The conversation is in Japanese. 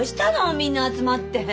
みんな集まって。